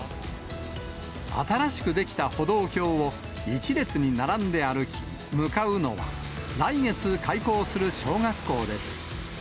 新しく出来た歩道橋を一列に並んで歩き、向かうのは、来月開校する小学校です。